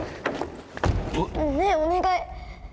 ねえお願い。